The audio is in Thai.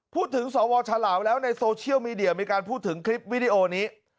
สวฉลาวแล้วในโซเชียลมีเดียมีการพูดถึงคลิปวิดีโอนี้